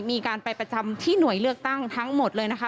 มีการไปประจำที่หน่วยเลือกตั้งทั้งหมดเลยนะคะ